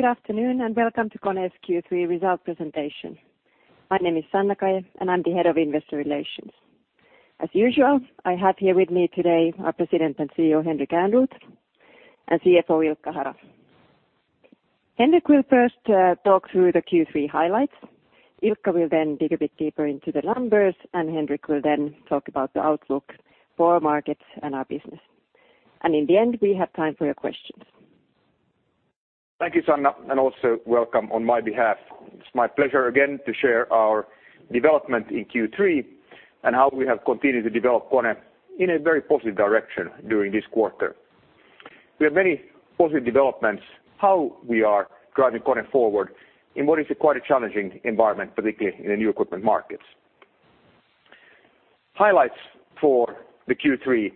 Good afternoon, and welcome to KONE's Q3 result presentation. My name is Sanna Kaje, and I am the Head of Investor Relations. As usual, I have here with me today our President and CEO, Henrik Ehrnrooth, and CFO, Ilkka Hara. Henrik will first talk through the Q3 highlights. Ilkka will then dig a bit deeper into the numbers, and Henrik will then talk about the outlook for our markets and our business. In the end, we have time for your questions. Thank you, Sanna, and also welcome on my behalf. It is my pleasure again to share our development in Q3 and how we have continued to develop KONE in a very positive direction during this quarter. We have many positive developments how we are driving KONE forward in what is quite a challenging environment, particularly in the new equipment markets. Highlights for the Q3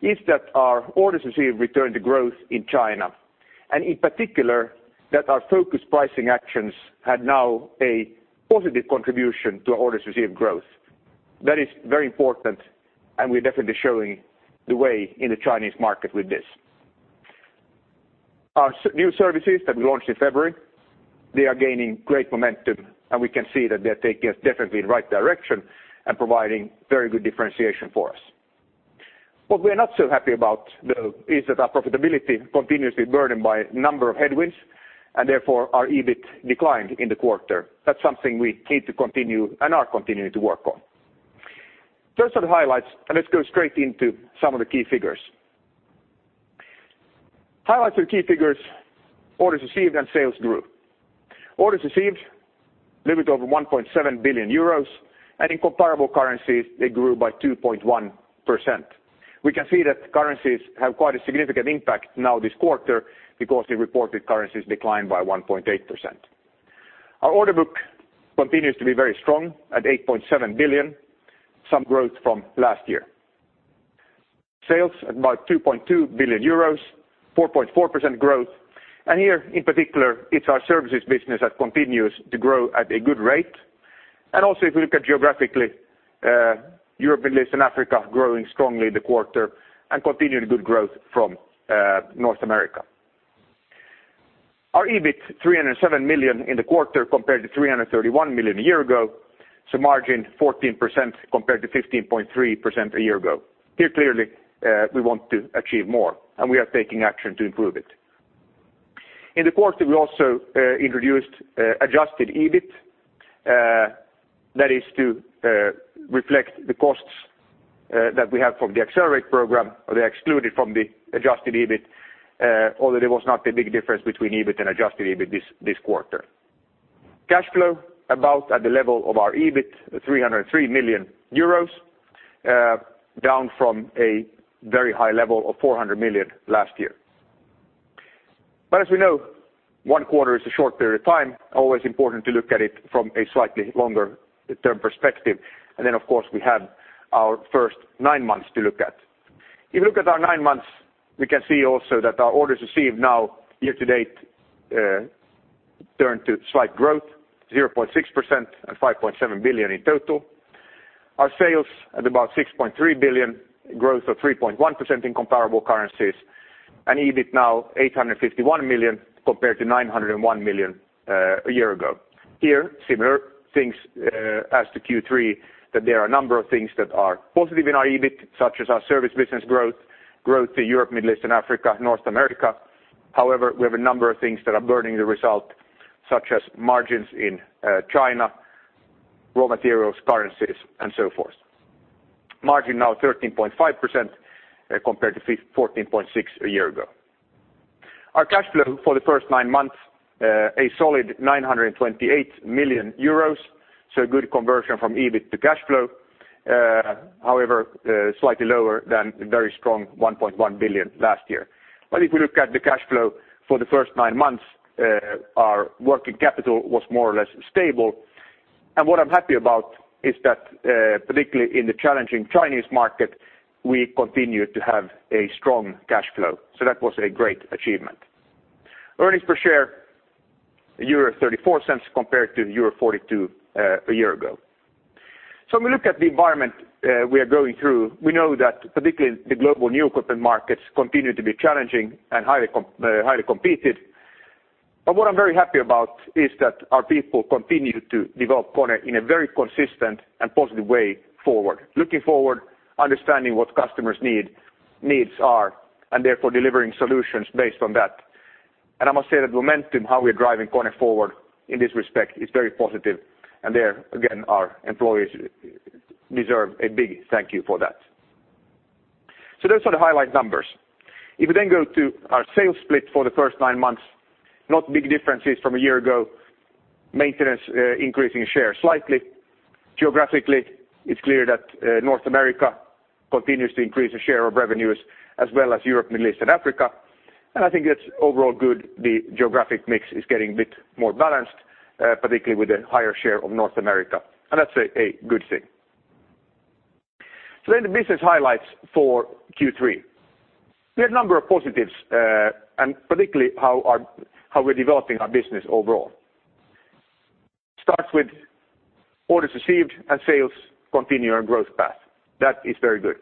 is that our orders received returned to growth in China, and in particular, that our focused pricing actions had now a positive contribution to our orders received growth. That is very important, and we are definitely showing the way in the Chinese market with this. Our new services that we launched in February, they are gaining great momentum, and we can see that they are taking us definitely in the right direction and providing very good differentiation for us. What we are not so happy about, though, is that our profitability continues to be burdened by a number of headwinds, and therefore our EBIT declined in the quarter. That is something we need to continue, and are continuing, to work on. Those are the highlights, and let us go straight into some of the key figures. Highlights and key figures. Orders received and sales grew. Orders received a little bit over 1.7 billion euros, and in comparable currencies, they grew by 2.1%. We can see that currencies have quite a significant impact now this quarter because the reported currencies declined by 1.8%. Our order book continues to be very strong at 8.7 billion, some growth from last year. Sales at about 2.2 billion euros, 4.4% growth. Here, in particular, it is our services business that continues to grow at a good rate. Also, if we look at geographically, Europe, Middle East, and Africa growing strongly in the quarter and continued good growth from North America. Our EBIT, 307 million in the quarter compared to 331 million a year ago. So margin 14% compared to 15.3% a year ago. Here, clearly, we want to achieve more, and we are taking action to improve it. In the quarter, we also introduced adjusted EBIT. That is to reflect the costs that we have from the Accelerate program. They are excluded from the adjusted EBIT, although there was not a big difference between EBIT and adjusted EBIT this quarter. Cash flow about at the level of our EBIT, 303 million euros, down from a very high level of 400 million last year. But as we know, one quarter is a short period of time. Always important to look at it from a slightly longer term perspective. Of course, we have our first nine months to look at. If you look at our nine months, we can see also that our orders received now year to date turned to slight growth, 0.6% and 5.7 billion in total. Our sales at about 6.3 billion, growth of 3.1% in comparable currencies, and EBIT now 851 million compared to 901 million a year ago. Similar things as to Q3, there are a number of things that are positive in our EBIT, such as our service business growth to Europe, Middle East, and Africa, North America. We have a number of things that are burdening the result, such as margins in China, raw materials, currencies, and so forth. Margin now 13.5% compared to 14.6% a year ago. Our cash flow for the first nine months, a solid EUR 928 million. A good conversion from EBIT to cash flow. Slightly lower than the very strong 1.1 billion last year. If we look at the cash flow for the first nine months, our working capital was more or less stable. What I'm happy about is that, particularly in the challenging Chinese market, we continued to have a strong cash flow. That was a great achievement. Earnings per share, 0.34 compared to euro 0.42 a year ago. When we look at the environment we are going through, we know that particularly the global new equipment markets continue to be challenging and highly competed. What I'm very happy about is that our people continue to develop KONE in a very consistent and positive way forward. Looking forward, understanding what customers' needs are, and therefore delivering solutions based on that. I must say the momentum how we are driving KONE forward in this respect is very positive. There, again, our employees deserve a big thank you for that. Those are the highlight numbers. If we go to our sales split for the first nine months, not big differences from a year ago. Maintenance increasing share slightly. Geographically, it's clear that North America continues to increase the share of revenues as well as Europe, Middle East, and Africa. I think that's overall good. The geographic mix is getting a bit more balanced, particularly with the higher share of North America, and that's a good thing. The business highlights for Q3. We have a number of positives, and particularly how we're developing our business overall. Starts with orders received and sales continue on growth path. That is very good.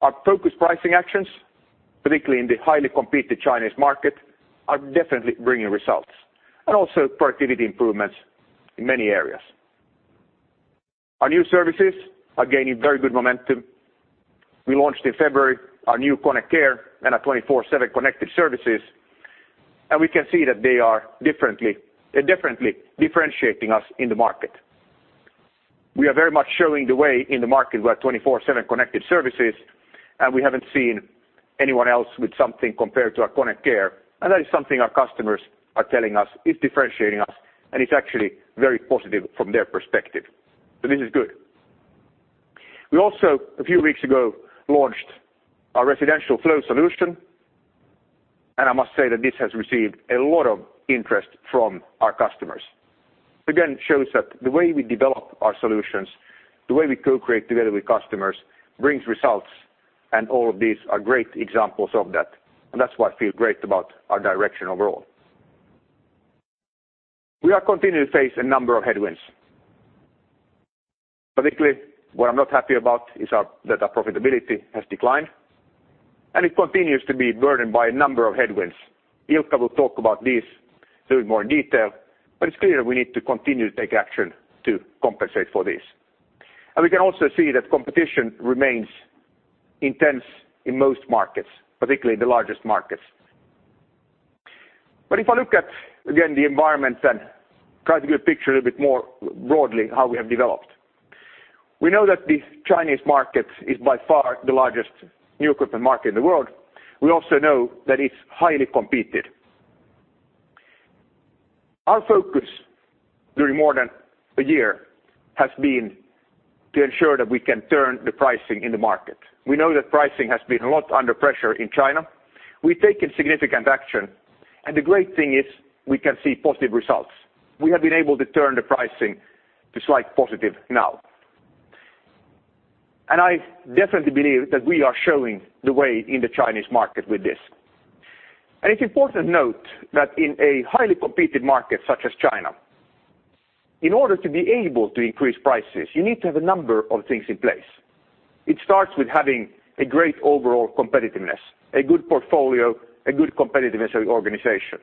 Our focus pricing actions, particularly in the highly competitive Chinese market, are definitely bringing results, and also productivity improvements in many areas. Our new services are gaining very good momentum. We launched in February our new KONE Care and our KONE 24/7 Connected Services, and we can see that they are differently differentiating us in the market. We are very much showing the way in the market with our KONE 24/7 Connected Services, and we haven't seen anyone else with something compared to our KONE Care. That is something our customers are telling us is differentiating us, and it's actually very positive from their perspective. This is good. We also, a few weeks ago, launched our KONE Residential Flow solution, and I must say that this has received a lot of interest from our customers. Shows that the way we develop our solutions, the way we co-create together with customers, brings results, all of these are great examples of that. That's why I feel great about our direction overall. We are continuing to face a number of headwinds. Particularly, what I'm not happy about is that our profitability has declined, and it continues to be burdened by a number of headwinds. Ilkka will talk about this a little bit more in detail, it's clear we need to continue to take action to compensate for this. We can also see that competition remains intense in most markets, particularly the largest markets. If I look at, again, the environment and try to give a picture a little bit more broadly how we have developed. We know that the Chinese market is by far the largest new equipment market in the world. We also know that it's highly competed. Our focus during more than a year has been to ensure that we can turn the pricing in the market. We know that pricing has been a lot under pressure in China. We've taken significant action, the great thing is we can see positive results. We have been able to turn the pricing to slight positive now. I definitely believe that we are showing the way in the Chinese market with this. It's important to note that in a highly competed market such as China, in order to be able to increase prices, you need to have a number of things in place. It starts with having a great overall competitiveness, a good portfolio, a good competitiveness of the organization.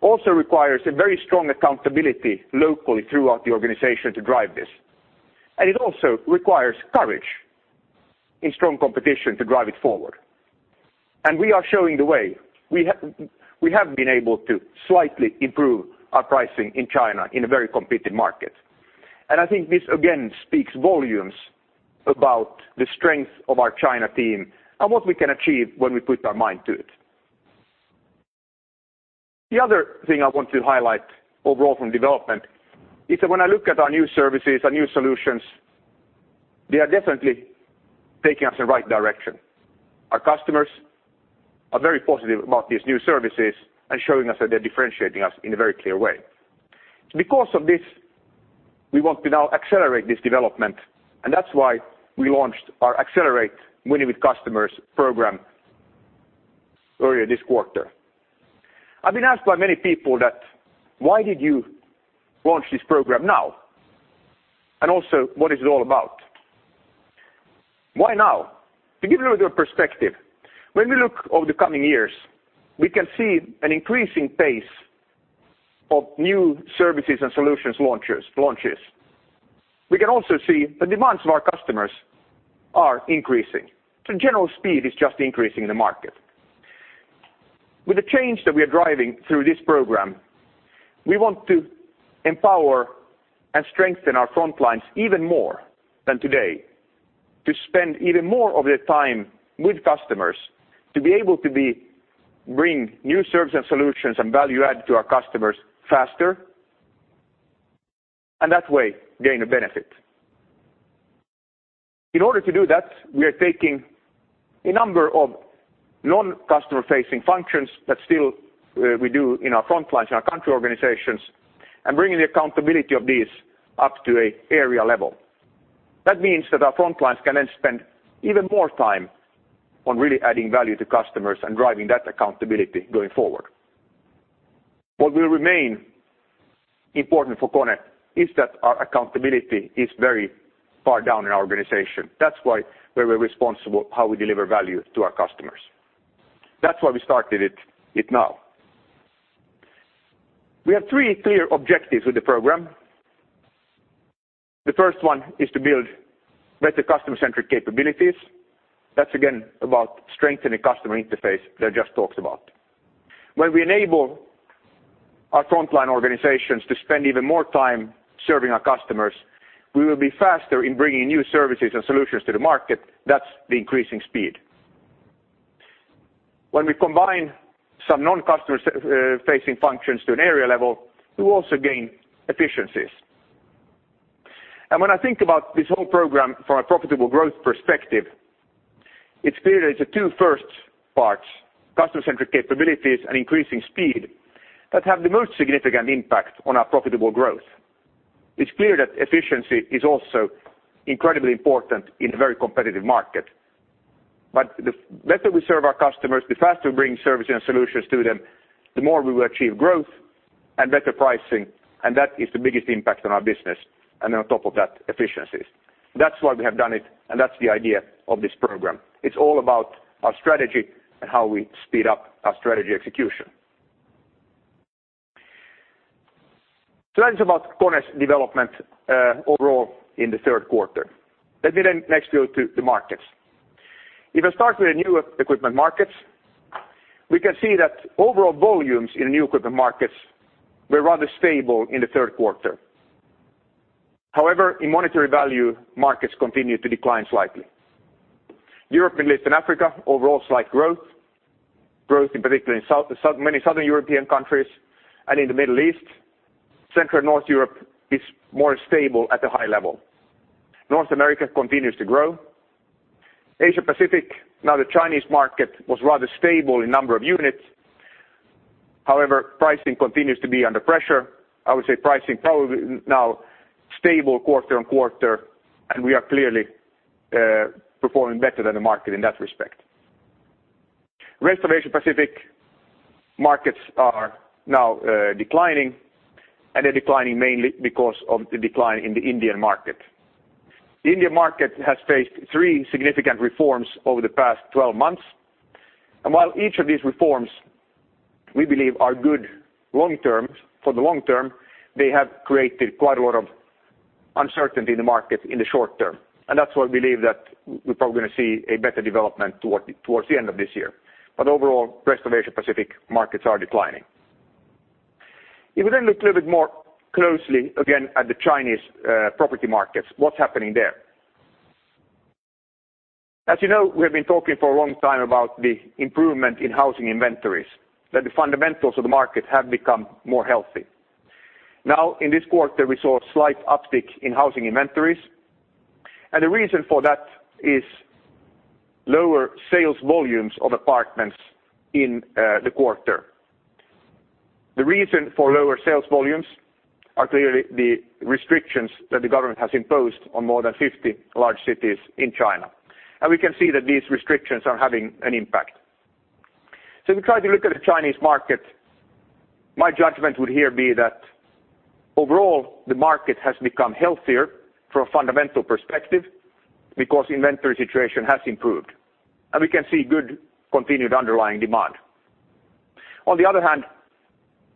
Also requires a very strong accountability locally throughout the organization to drive this. It also requires courage in strong competition to drive it forward. We are showing the way. We have been able to slightly improve our pricing in China in a very competed market. I think this, again, speaks volumes about the strength of our China team and what we can achieve when we put our mind to it. The other thing I want to highlight overall from development is that when I look at our new services, our new solutions, they are definitely taking us in the right direction. Our customers are very positive about these new services and showing us that they're differentiating us in a very clear way. Because of this, we want to now accelerate this development, that's why we launched our Accelerate Winning with Customers program earlier this quarter. I've been asked by many people that, why did you launch this program now? Also, what is it all about? Why now? To give you a little perspective, when we look over the coming years, we can see an increasing pace of new services and solutions launches. We can also see the demands of our customers are increasing. General speed is just increasing in the market. With the change that we are driving through this program, we want to empower and strengthen our front lines even more than today, to spend even more of their time with customers, to be able to bring new service and solutions and value add to our customers faster, and that way, gain a benefit. In order to do that, we are taking a number of non-customer facing functions that still we do in our front lines in our country organizations and bringing the accountability of these up to an area level. That means that our front lines can then spend even more time on really adding value to customers and driving that accountability going forward. What will remain important for KONE is that our accountability is very far down in our organization. That's why we're very responsible how we deliver value to our customers. That's why we started it now. We have three clear objectives with the program. The first one is to build better customer-centric capabilities. That's again about strengthening customer interface that I just talked about. When we enable our frontline organizations to spend even more time serving our customers, we will be faster in bringing new services and solutions to the market. That's the increasing speed. When we combine some non-customer facing functions to an area level, we will also gain efficiencies. When I think about this whole program from a profitable growth perspective, it's clear it's the two first parts, customer-centric capabilities and increasing speed, that have the most significant impact on our profitable growth. It's clear that efficiency is also incredibly important in a very competitive market. The better we serve our customers, the faster we bring services and solutions to them, the more we will achieve growth And better pricing. That is the biggest impact on our business. Then on top of that, efficiencies. That's why we have done it, and that's the idea of this program. It's all about our strategy and how we speed up our strategy execution. That is about KONE's development overall in the third quarter. Let me then next go to the markets. If I start with the new equipment markets, we can see that overall volumes in new equipment markets were rather stable in the third quarter. However, in monetary value, markets continued to decline slightly. Europe, Middle East, and Africa, overall slight growth. Growth in particular in many Southern European countries and in the Middle East. Central and North Europe is more stable at a high level. North America continues to grow. Asia-Pacific, now the Chinese market was rather stable in number of units. However, pricing continues to be under pressure. I would say pricing probably now stable quarter-on-quarter, and we are clearly performing better than the market in that respect. Rest of Asia-Pacific markets are now declining, and they're declining mainly because of the decline in the Indian market. The Indian market has faced three significant reforms over the past 12 months. While each of these reforms, we believe are good for the long term, they have created quite a lot of uncertainty in the market in the short term. That's why we believe that we're probably going to see a better development towards the end of this year. Overall, rest of Asia-Pacific markets are declining. If we then look a little bit more closely again at the Chinese property markets, what's happening there? As you know, we have been talking for a long time about the improvement in housing inventories, that the fundamentals of the market have become more healthy. Now, in this quarter, we saw a slight uptick in housing inventories. The reason for that is lower sales volumes of apartments in the quarter. The reason for lower sales volumes are clearly the restrictions that the government has imposed on more than 50 large cities in China. We can see that these restrictions are having an impact. If we try to look at the Chinese market, my judgment would here be that overall, the market has become healthier from a fundamental perspective because the inventory situation has improved. We can see good continued underlying demand. On the other hand,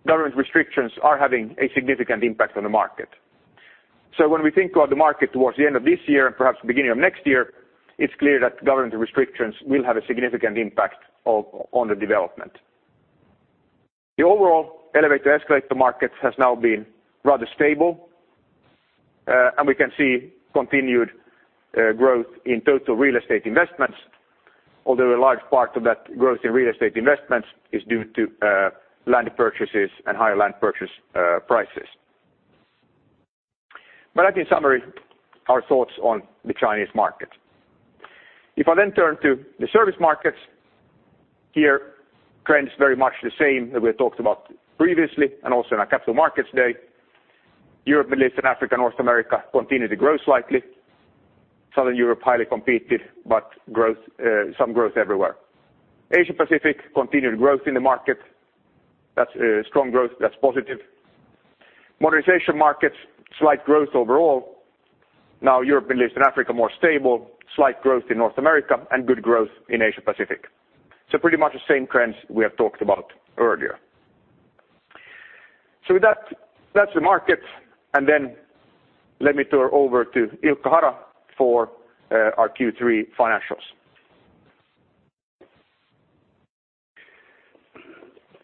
government restrictions are having a significant impact on the market. When we think about the market towards the end of this year and perhaps the beginning of next year, it's clear that government restrictions will have a significant impact on the development. The overall elevator escalator market has now been rather stable. We can see continued growth in total real estate investments, although a large part of that growth in real estate investments is due to land purchases and higher land purchase prices. That in summary, our thoughts on the Chinese market. If I turn to the service markets, here trend is very much the same that we have talked about previously and also in our capital markets day. Europe, Middle East, and Africa, North America continue to grow slightly. Southern Europe, highly competitive, but some growth everywhere. Asia-Pacific, continued growth in the market. That's a strong growth. That's positive. Modernization markets, slight growth overall. Europe, Middle East, and Africa, more stable. Slight growth in North America and good growth in Asia-Pacific. Pretty much the same trends we have talked about earlier. With that's the market. Let me turn over to Ilkka Hara for our Q3 financials.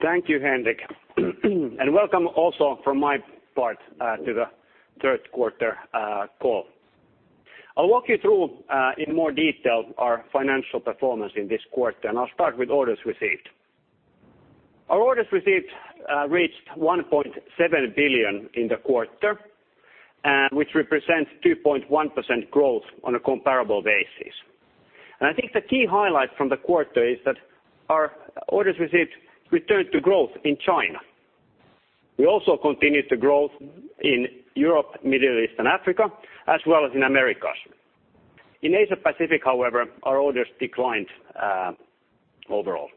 Thank you, Henrik. Welcome also from my part to the third quarter call. I'll walk you through in more detail our financial performance in this quarter, and I'll start with orders received. Our orders received reached 1.7 billion in the quarter, which represents 2.1% growth on a comparable basis. I think the key highlight from the quarter is that our orders received returned to growth in China. We also continued to grow in Europe, Middle East, and Africa, as well as in Americas. In Asia-Pacific, however, our orders declined overall.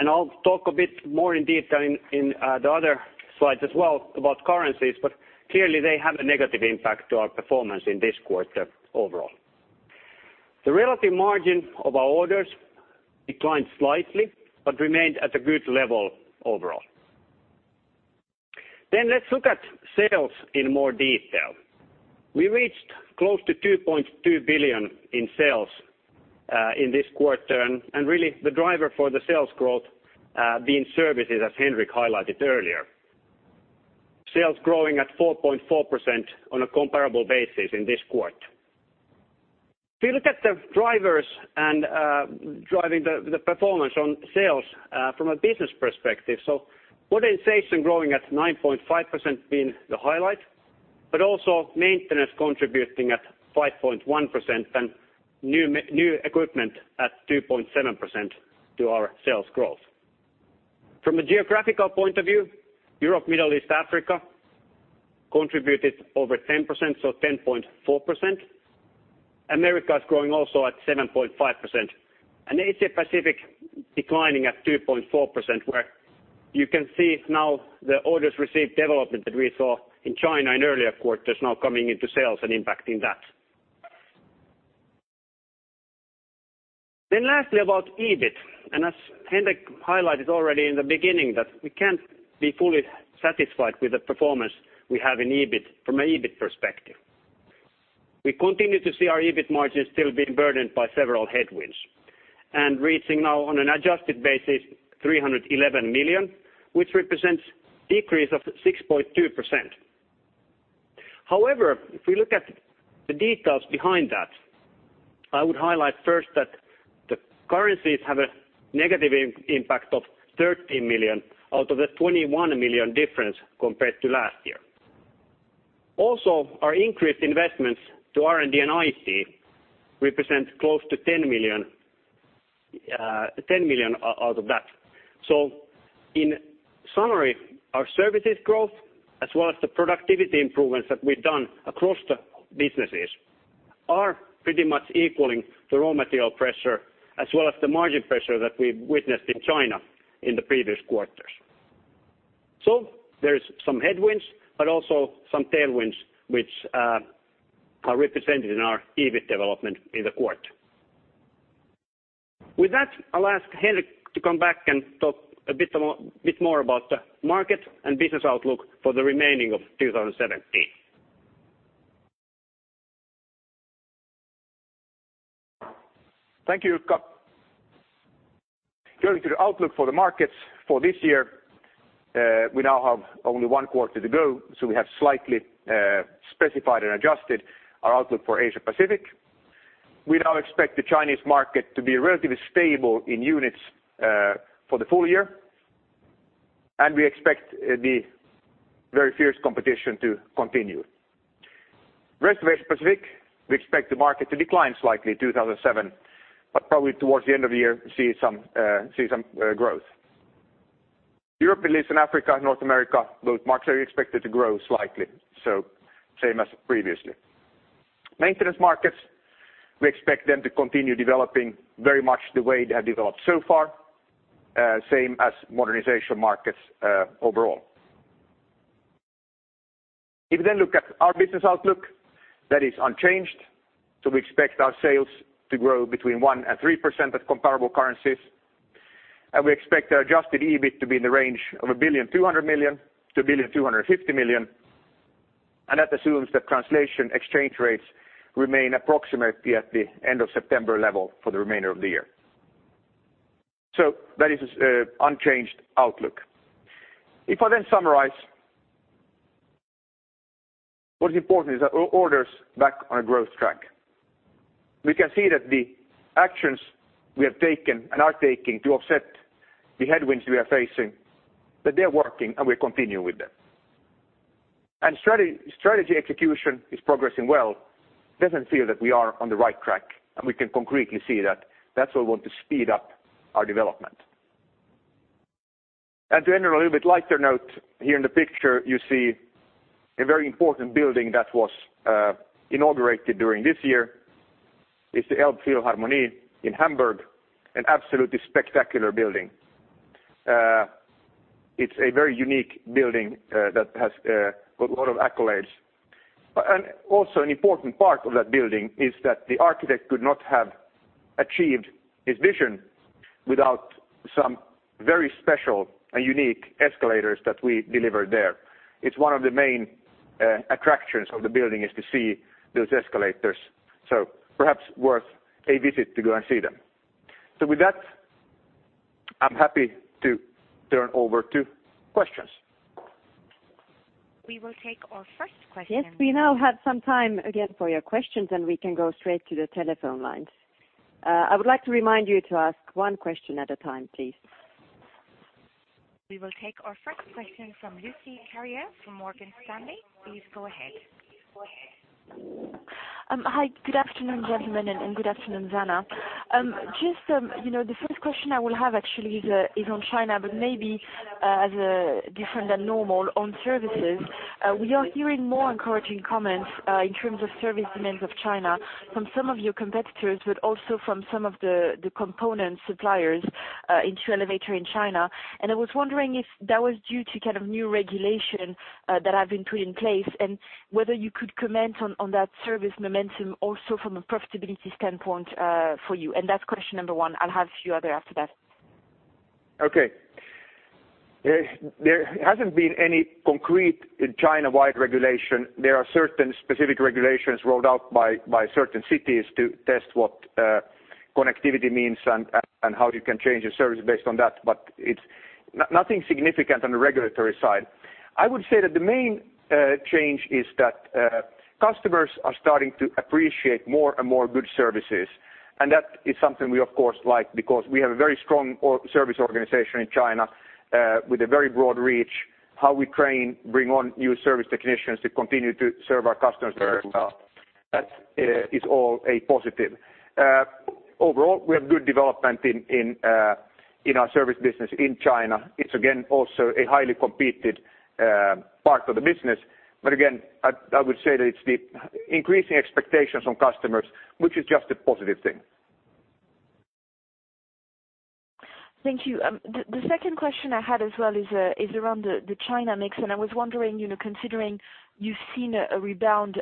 I'll talk a bit more in detail in the other slides as well about currencies, but clearly they have a negative impact to our performance in this quarter overall. The relative margin of our orders declined slightly but remained at a good level overall. Let's look at sales in more detail. We reached close to 2.2 billion in sales in this quarter, really the driver for the sales growth being services, as Henrik highlighted earlier. Sales growing at 4.4% on a comparable basis in this quarter. If you look at the drivers and driving the performance on sales from a business perspective. Modernization growing at 9.5% being the highlight, but also maintenance contributing at 5.1% and new equipment at 2.7% to our sales growth. From a geographical point of view, Europe, Middle East, Africa contributed over 10%, so 10.4%. America is growing also at 7.5%, and Asia Pacific declining at 2.4%, where you can see now the orders received development that we saw in China in earlier quarters now coming into sales and impacting that. Lastly about EBIT. As Henrik highlighted already in the beginning, that we can't be fully satisfied with the performance we have in EBIT from an EBIT perspective. We continue to see our EBIT margin still being burdened by several headwinds and reaching now on an adjusted basis 311 million, which represents decrease of 6.2%. However, if we look at the details behind that, I would highlight first that the currencies have a negative impact of 13 million out of the 21 million difference compared to last year. Also, our increased investments to R&D and IT represent close to 10 million out of that. In summary, our services growth, as well as the productivity improvements that we've done across the businesses, are pretty much equaling the raw material pressure as well as the margin pressure that we've witnessed in China in the previous quarters. There is some headwinds, but also some tailwinds which are represented in our EBIT development in the quarter. With that, I'll ask Henrik to come back and talk a bit more about the market and business outlook for the remaining of 2017. Thank you, Ilkka. Turning to the outlook for the markets for this year, we now have only one quarter to go, so we have slightly specified and adjusted our outlook for Asia Pacific. We now expect the Chinese market to be relatively stable in units for the full year, and we expect the very fierce competition to continue. Rest of Asia Pacific, we expect the market to decline slightly 2017, but probably towards the end of the year, see some growth. Europe, Middle East and Africa, North America, both markets are expected to grow slightly. Same as previously. Maintenance markets, we expect them to continue developing very much the way they have developed so far, same as modernization markets overall. If we look at our business outlook, that is unchanged. We expect our sales to grow between 1% and 3% at comparable currencies, and we expect our adjusted EBIT to be in the range of 1.2 billion-1.25 billion. That assumes that translation exchange rates remain approximately at the end of September level for the remainder of the year. That is unchanged outlook. If I then summarize. What is important is that orders back on a growth track. We can see that the actions we have taken and are taking to offset the headwinds we are facing, that they are working and we are continuing with them. Strategy execution is progressing well, definitely feel that we are on the right track, and we can concretely see that. That is why we want to speed up our development. To end on a little bit lighter note, here in the picture you see a very important building that was inaugurated during 2017. It is the Elbphilharmonie in Hamburg, an absolutely spectacular building. It is a very unique building that has got a lot of accolades. Also an important part of that building is that the architect could not have achieved his vision without some very special and unique escalators that we delivered there. It is one of the main attractions of the building is to see those escalators. Perhaps worth a visit to go and see them. With that, I am happy to turn over to questions. We will take our first question. Yes, we now have some time again for your questions, we can go straight to the telephone lines. I would like to remind you to ask one question at a time, please. We will take our first question from Lucie Carrier from Morgan Stanley. Please go ahead. Hi. Good afternoon, gentlemen, and good afternoon, Sanna. Just the first question I will have actually is on China, but maybe as different than normal on services. We are hearing more encouraging comments in terms of service demands of China from some of your competitors, but also from some of the component suppliers into elevator in China. I was wondering if that was due to kind of new regulation that have been put in place, and whether you could comment on that service momentum also from a profitability standpoint for you. That's question number one. I'll have a few other after that. Okay. There hasn't been any concrete China-wide regulation. There are certain specific regulations rolled out by certain cities to test what connectivity means and how you can change your service based on that. It's nothing significant on the regulatory side. I would say that the main change is that customers are starting to appreciate more and more good services. That is something we of course like because we have a very strong service organization in China with a very broad reach, how we train, bring on new service technicians to continue to serve our customers there as well. That is all a positive. Overall, we have good development in our service business in China. It's again, also a highly competed part of the business. Again, I would say that it's the increasing expectations from customers, which is just a positive thing. Thank you. The second question I had as well is around the China mix. I was wondering, considering you've seen a rebound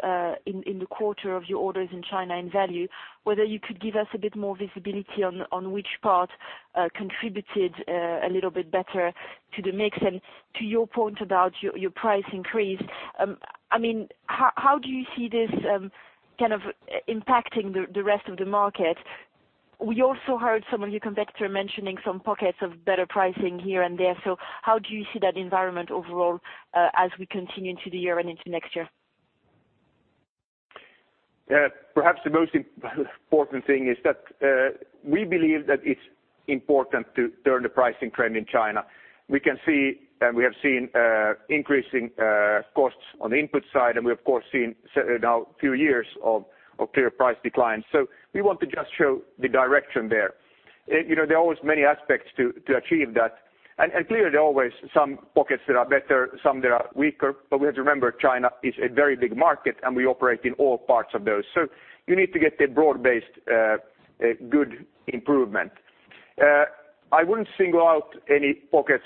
in the quarter of your orders in China in value, whether you could give us a bit more visibility on which part contributed a little bit better to the mix and to your point about your price increase. How do you see this impacting the rest of the market? We also heard some of your competitor mentioning some pockets of better pricing here and there. How do you see that environment overall, as we continue into the year and into next year? Perhaps the most important thing is that we believe that it's important to turn the pricing trend in China. We can see, and we have seen increasing costs on the input side, and we have of course seen now a few years of clear price declines. We want to just show the direction there. There are always many aspects to achieve that. Clearly there are always some pockets that are better, some that are weaker. We have to remember, China is a very big market, and we operate in all parts of those. You need to get a broad-based good improvement. I wouldn't single out any pockets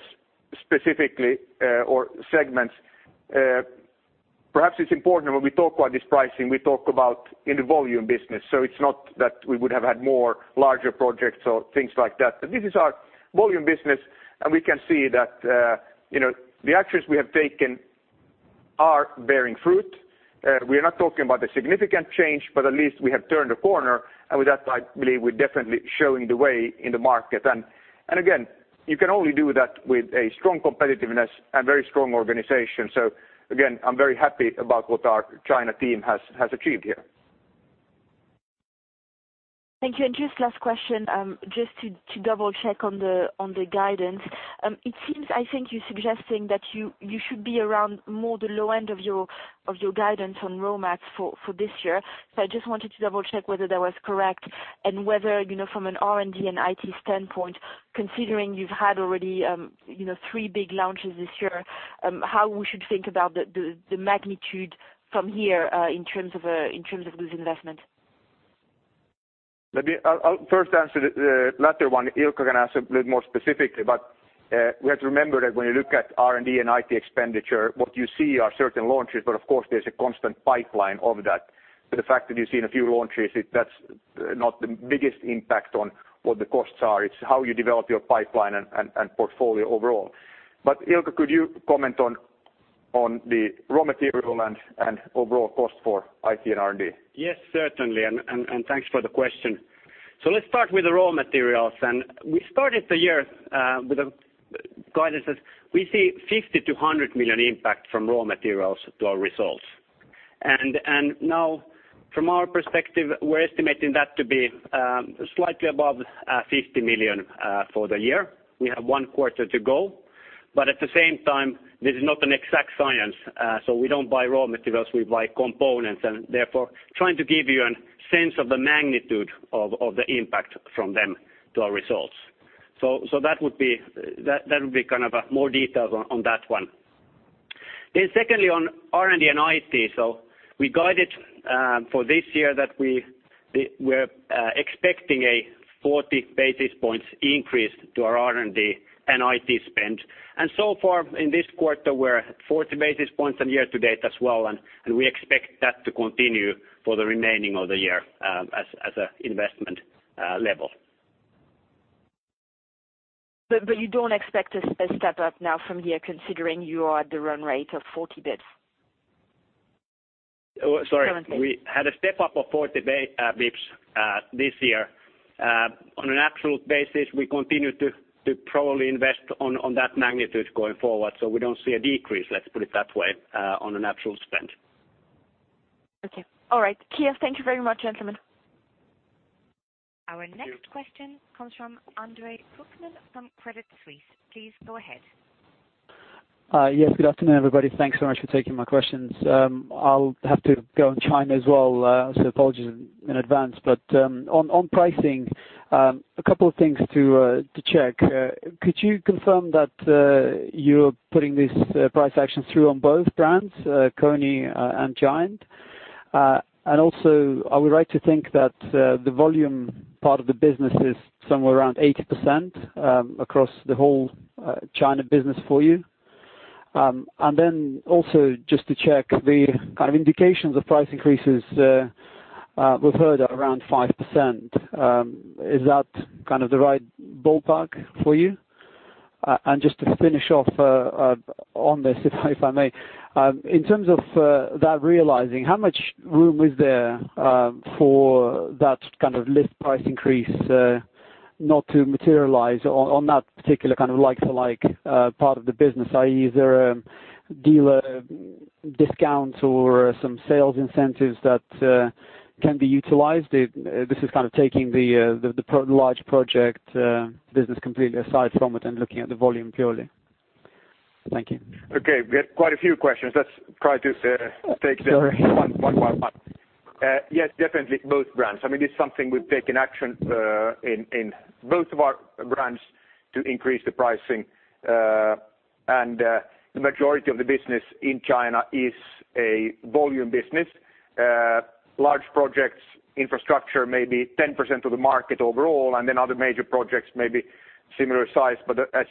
specifically, or segments. Perhaps it's important when we talk about this pricing, we talk about in the volume business. It's not that we would have had more larger projects or things like that, but this is our volume business, and we can see that the actions we have taken are bearing fruit. We are not talking about a significant change, but at least we have turned a corner. With that, I believe we're definitely showing the way in the market. Again, you can only do that with a strong competitiveness and very strong organization. Again, I'm very happy about what our China team has achieved here. Thank you. Just last question, just to double-check on the guidance. It seems, I think you're suggesting that you should be around more the low end of your guidance on raw mats for this year. I just wanted to double-check whether that was correct and whether, from an R&D and IT standpoint, considering you've had already three big launches this year, how we should think about the magnitude from here, in terms of this investment. I'll first answer the latter one. Ilkka can answer a bit more specifically, but we have to remember that when you look at R&D and IT expenditure, what you see are certain launches, but of course, there's a constant pipeline of that. The fact that you've seen a few launches, that's not the biggest impact on what the costs are. It's how you develop your pipeline and portfolio overall. Ilkka, could you comment on the raw material and overall cost for IT and R&D? Yes, certainly. Thanks for the question. Let's start with the raw materials. We started the year with a guidance that we see 50 million to 100 million impact from raw materials to our results. Now from our perspective, we are estimating that to be slightly above 50 million for the year. We have one quarter to go, but at the same time, this is not an exact science. We do not buy raw materials, we buy components, and therefore trying to give you a sense of the magnitude of the impact from them to our results. That would be kind of more details on that one. Secondly, on R&D and IT. We guided for this year that we are expecting a 40 basis points increase to our R&D and IT spend. So far in this quarter, we are at 40 basis points and year to date as well. We expect that to continue for the remaining of the year as an investment level. You do not expect a step up now from here considering you are at the run rate of 40 basis points? Sorry. We had a step up of 40 basis points this year. On an absolute basis, we continue to probably invest on that magnitude going forward. We do not see a decrease, let's put it that way, on an absolute spend. Okay. All right. Clear. Thank you very much, gentlemen. Thank you. Our next question comes from Andre Kukhnin from Credit Suisse. Please go ahead. Yes. Good afternoon, everybody. Thanks so much for taking my questions. I'll have to go on China as well, so apologies in advance. On pricing, a couple of things to check. Could you confirm that you're putting these price actions through on both brands, KONE and GiantKONE? Are we right to think that the volume part of the business is somewhere around 80% across the whole China business for you? Just to check the kind of indications of price increases we've heard are around 5%. Is that kind of the right ballpark for you? Just to finish off on this, if I may. In terms of that realizing, how much room is there for that kind of list price increase not to materialize on that particular kind of like for like part of the business, i.e., is there a dealer discount or some sales incentives that can be utilized? This is kind of taking the large project business completely aside from it and looking at the volume purely. Thank you. Okay. We have quite a few questions. Let's try to take them one by one. Yes, definitely both brands. It's something we've taken action in both of our brands to increase the pricing. The majority of the business in China is a volume business. Large projects, infrastructure, may be 10% of the market overall, and then other major projects may be similar size, but as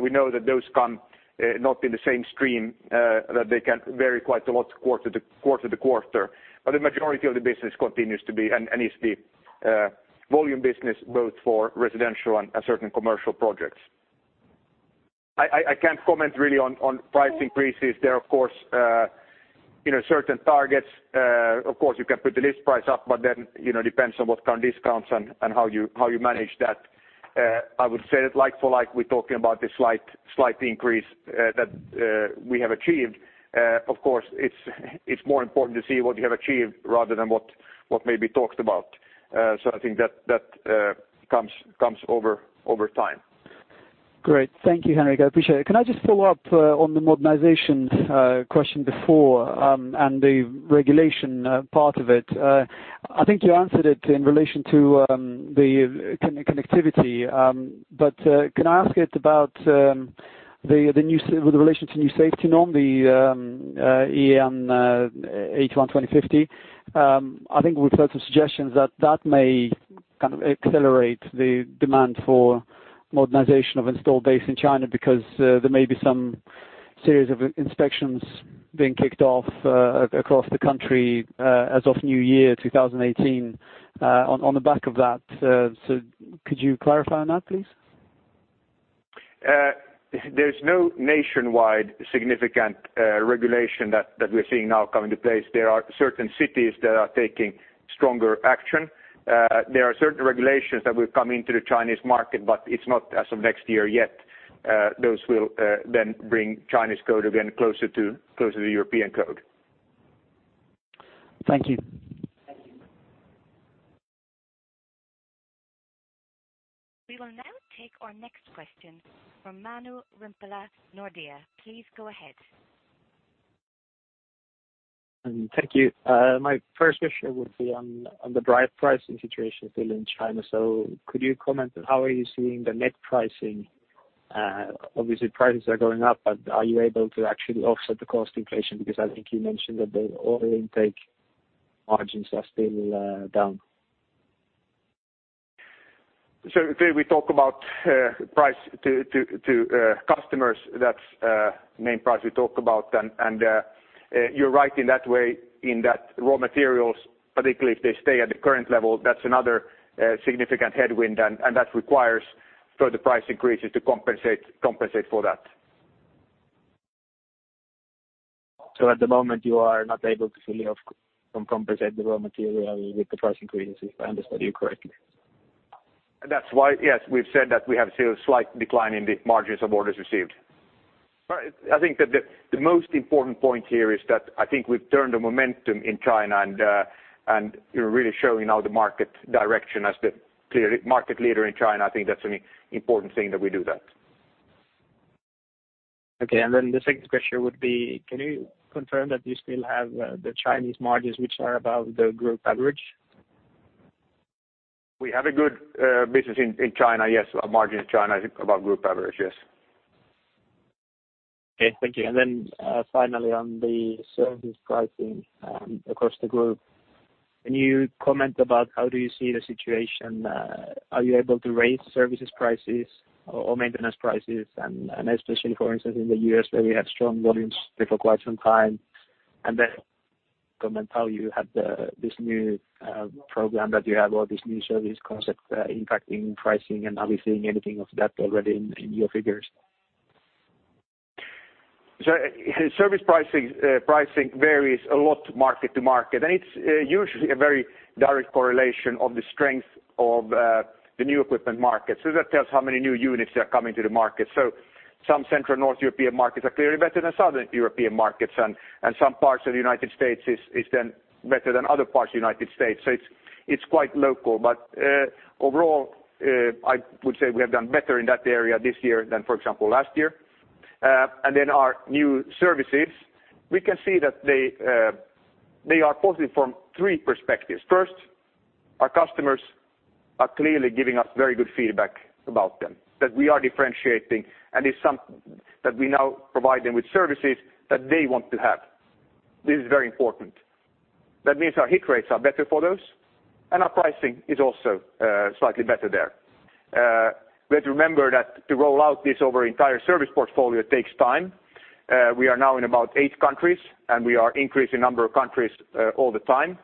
we know that those come not in the same stream, that they can vary quite a lot quarter-to-quarter. The majority of the business continues to be, and is the volume business both for residential and certain commercial projects. I can't comment really on price increases. There are certain targets. Of course, you can put the list price up, but then depends on what kind of discounts and how you manage that. I would say that like for like, we're talking about a slight increase that we have achieved. Of course, it's more important to see what you have achieved rather than what may be talked about. I think that comes over time. Great. Thank you, Henrik. I appreciate it. Can I just follow up on the modernization question before and the regulation part of it? I think you answered it in relation to the connectivity. Can I ask it about with relation to new safety norm, the EN 81-20/50? I think we've heard some suggestions that that may accelerate the demand for modernization of installed base in China because there may be some series of inspections being kicked off across the country as of New Year 2018 on the back of that. Could you clarify on that, please? There's no nationwide significant regulation that we're seeing now come into place. There are certain cities that are taking stronger action. There are certain regulations that will come into the Chinese market, but it's not as of next year yet. Those will then bring Chinese code again closer to the European code. Thank you. Thank you. We will now take our next question from Manu Rimpelä, Nordea. Please go ahead. Thank you. My first question would be on the drive pricing situation still in China. Could you comment on how are you seeing the net pricing? Obviously prices are going up, are you able to actually offset the cost inflation because I think you mentioned that the order intake margins are still down. Today we talk about price to customers. That's the main price we talk about. You're right in that way, in that raw materials, particularly if they stay at the current level, that's another significant headwind and that requires further price increases to compensate for that. At the moment you are not able to fully compensate the raw material with the price increases if I understood you correctly. That's why, yes, we've said that we have seen a slight decline in the margins of orders received. I think that the most important point here is that I think we've turned the momentum in China and you're really showing now the market direction as the market leader in China. I think that's an important thing that we do that. Okay. The second question would be, can you confirm that you still have the Chinese margins which are above the group average? We have a good business in China, yes. Our margin in China is above group average, yes. Okay, thank you. Finally on the service pricing across the group. Can you comment about how do you see the situation? Are you able to raise services prices or maintenance prices and especially, for instance, in the U.S. where you had strong volumes there for quite some time? Comment how you have this new program that you have or this new service concept impacting pricing and are we seeing anything of that already in your figures? Service pricing varies a lot market to market, and it's usually a very direct correlation of the strength of the new equipment market. That tells how many new units are coming to the market. Some Central North European markets are clearly better than Southern European markets and some parts of the U.S. is then better than other parts of the U.S. It's quite local. Overall, I would say we have done better in that area this year than, for example, last year. Our new services, we can see that they are positive from three perspectives. First, our customers are clearly giving us very good feedback about them, that we are differentiating and that we now provide them with services that they want to have. This is very important. That means our hit rates are better for those and our pricing is also slightly better there. We have to remember that to roll out this over entire service portfolio takes time. We are now in about eight countries and we are increasing number of countries all the time.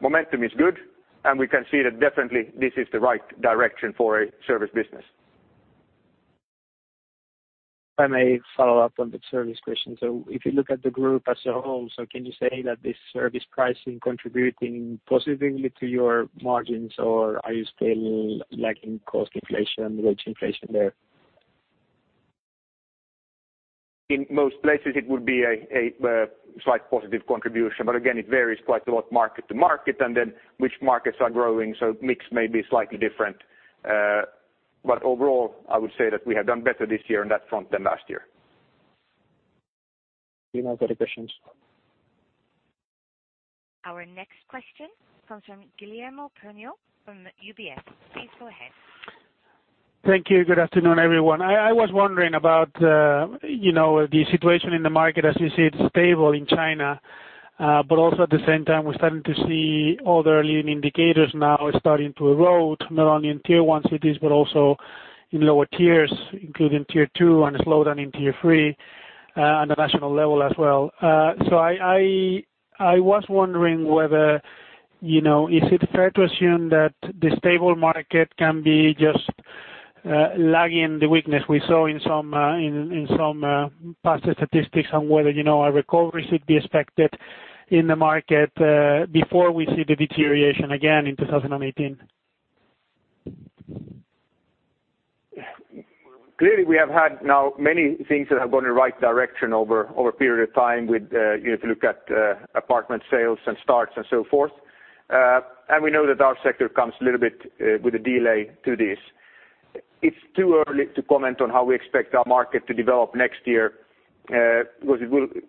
Momentum is good and we can see that definitely this is the right direction for a service business. If I may follow up on the service question. If you look at the group as a whole, can you say that this service pricing contributing positively to your margins or are you still lacking cost inflation, wage inflation there? In most places it would be a slight positive contribution. Again, it varies quite a lot market to market which markets are growing, mix may be slightly different. Overall, I would say that we have done better this year on that front than last year. Any more further questions? Our next question comes from Guillermo Peigneux-Lojo from UBS. Please go ahead. Thank you. Good afternoon, everyone. I was wondering about the situation in the market as you see it stable in China, but also at the same time, we're starting to see other leading indicators now starting to erode, not only in tier 1 cities, but also in lower tiers, including tier 2 and a slowdown in tier 3, on the national level as well. I was wondering whether, is it fair to assume that the stable market can be just lagging the weakness we saw in some past statistics on whether a recovery should be expected in the market, before we see the deterioration again in 2018? Clearly we have had now many things that have gone in the right direction over a period of time with, if you look at apartment sales and starts and so forth. We know that our sector comes a little bit with a delay to this. It's too early to comment on how we expect our market to develop next year, because it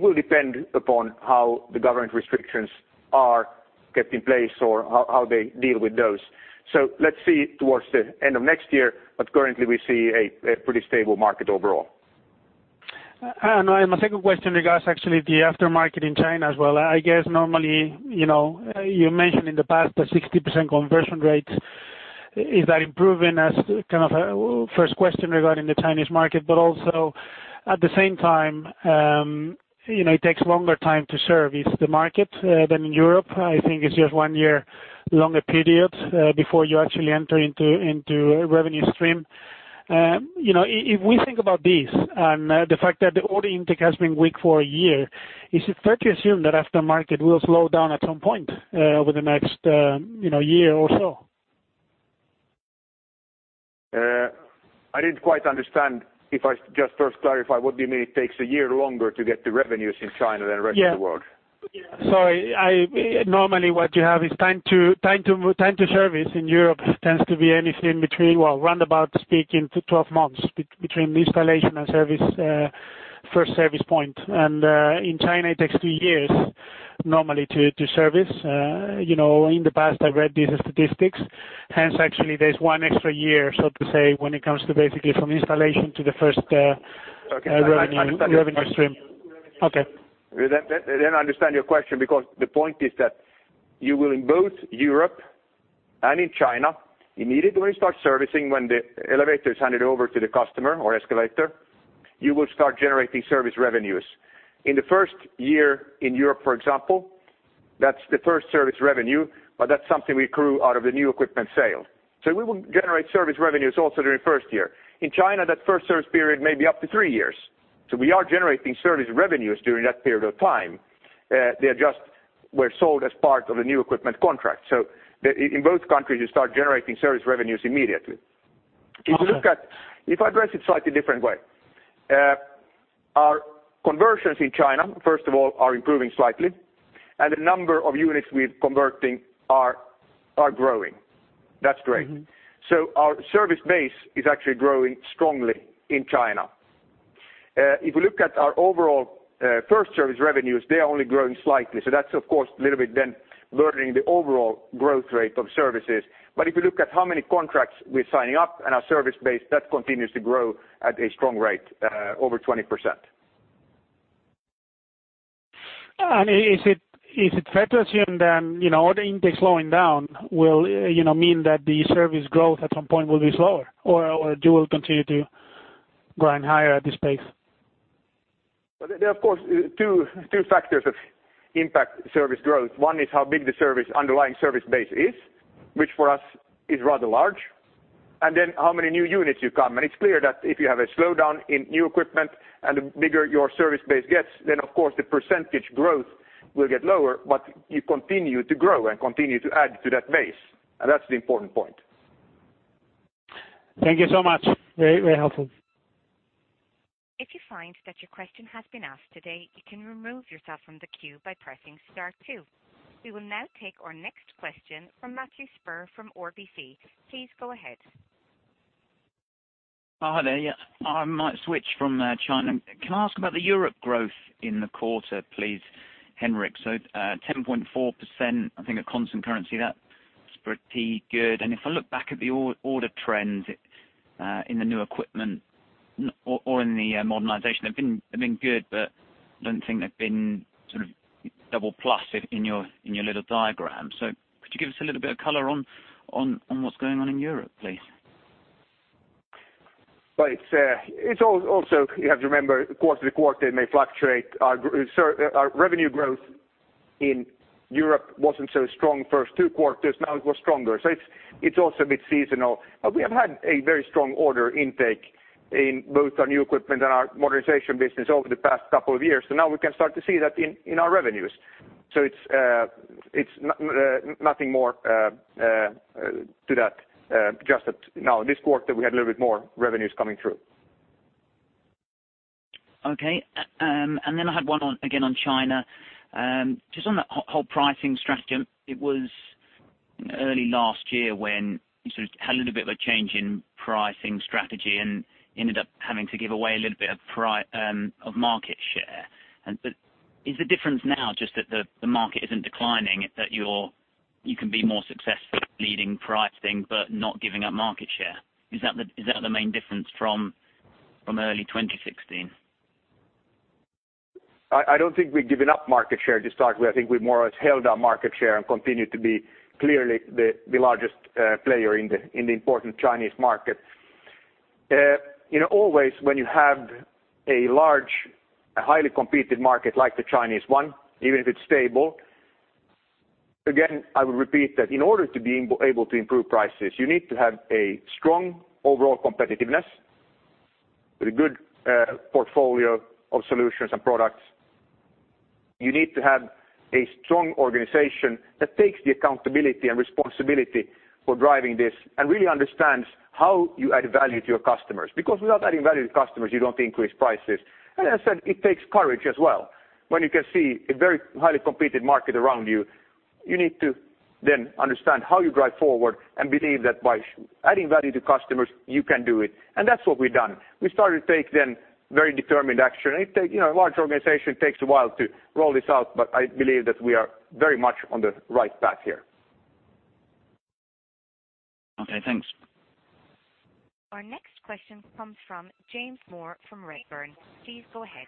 will depend upon how the government restrictions are kept in place or how they deal with those. Let's see towards the end of next year, but currently we see a pretty stable market overall. My second question regards actually the aftermarket in China as well. I guess normally, you mentioned in the past a 60% conversion rate. Is that improving as kind of a first question regarding the Chinese market, but also at the same time, it takes longer time to service the market than in Europe. I think it's just one year longer period before you actually enter into a revenue stream. If we think about this and the fact that the order intake has been weak for a year, is it fair to assume that aftermarket will slow down at some point over the next year or so? I didn't quite understand. If I just first clarify, what do you mean it takes a year longer to get the revenues in China than the rest of the world? Yeah. Sorry, normally what you have is time to service in Europe tends to be anything between, well, roundabout speaking, 12 months between the installation and first service point. In China it takes two years normally to service. In the past I read these statistics, hence actually there's one extra year, so to say, when it comes to basically from installation to the first revenue stream. Okay. I understand your question because the point is that you will in both Europe and in China, immediately start servicing when the elevator is handed over to the customer or escalator, you will start generating service revenues. In the first year in Europe, for example, that's the first service revenue, but that's something we accrue out of the new equipment sale. We will generate service revenues also during the first year. In China, that first service period may be up to three years. We are generating service revenues during that period of time. They just were sold as part of a new equipment contract. In both countries, you start generating service revenues immediately. Okay. If I address it slightly different way. Our conversions in China, first of all, are improving slightly, and the number of units we're converting are growing. That's great. Our service base is actually growing strongly in China. If we look at our overall first service revenues, they are only growing slightly. That's of course a little bit then blurring the overall growth rate of services. If you look at how many contracts we're signing up and our service base, that continues to grow at a strong rate, over 20%. Is it fair to assume then, order intake slowing down will mean that the service growth at some point will be slower or do you will continue to grind higher at this pace? There are of course two factors that impact service growth. One is how big the underlying service base is, which for us is rather large. Then how many new units you come. It's clear that if you have a slowdown in new equipment and the bigger your service base gets, then of course the percentage growth will get lower, but you continue to grow and continue to add to that base. That's the important point. Thank you so much. Very helpful. If you find that your question has been asked today, you can remove yourself from the queue by pressing star two. We will now take our next question from Matthew Spurr from RBC. Please go ahead. Hi there. I might switch from China. Can I ask about the Europe growth in the quarter, please, Henrik? 10.4%, I think at constant currency, that is pretty good. If I look back at the order trends in the new equipment or in the modernization, they've been good, but I don't think they've been sort of double plus in your little diagram. Could you give us a little bit of color on what's going on in Europe, please? Right. It's also, you have to remember quarter to quarter may fluctuate. Our revenue growth in Europe wasn't so strong first two quarters, now it was stronger. It's also a bit seasonal. We have had a very strong order intake in both our new equipment and our modernization business over the past couple of years. Now we can start to see that in our revenues. It's nothing more to that. Just that now this quarter we had a little bit more revenues coming through. Okay. I had one again on China. Just on the whole pricing strategy. It was early last year when you had a little bit of a change in pricing strategy and ended up having to give away a little bit of market share. Is the difference now just that the market isn't declining, that you can be more successful leading pricing but not giving up market share? Is that the main difference from early 2016? I don't think we've given up market share to start with. I think we've more or less held our market share and continue to be clearly the largest player in the important Chinese market. Always when you have a large, highly competed market like the Chinese one, even if it's stable, again, I would repeat that in order to be able to improve prices, you need to have a strong overall competitiveness with a good portfolio of solutions and products. You need to have a strong organization that takes the accountability and responsibility for driving this and really understands how you add value to your customers. Without adding value to customers, you don't increase prices. As I said, it takes courage as well. When you can see a very highly competed market around you need to then understand how you drive forward and believe that by adding value to customers, you can do it. That's what we've done. We started to take then very determined action. A large organization takes a while to roll this out, but I believe that we are very much on the right path here. Okay, thanks. Our next question comes from James Moore from Redburn. Please go ahead.